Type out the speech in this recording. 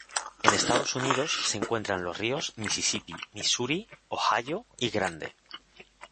En Estados Unidos se encuentra en los ríos: Misisipi, Misuri, Ohio y Grande.